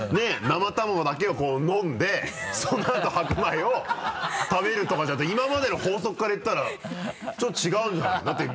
生卵だけをこう飲んでそのあと白米を食べるとかじゃないと今までの法則からいったらちょっと違うんじゃない？